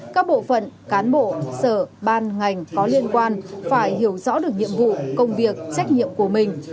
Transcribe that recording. các bộ phận cán bộ sở ban ngành có liên quan phải hiểu rõ được nhiệm vụ công việc trách nhiệm của mình